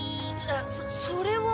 そそれは。